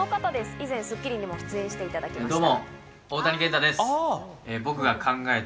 以前『スッキリ』にも出演していただきました。